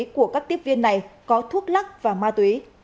của các tiếp viên này có thuốc lắc và ma túy